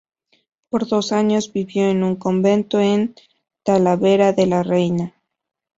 Por dos años vivió en un convento en Talavera de la Reina.